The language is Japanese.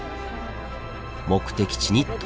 目的地に到着です。